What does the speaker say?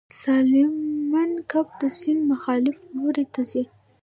سالمن کب د سیند مخالف لوري ته ځي